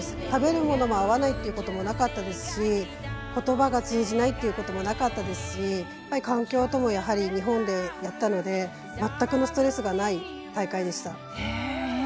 食べるものも合わないということもなかったですしことばが通じないということもなかったですし、環境も日本でやったので全くのストレスがない大会でした。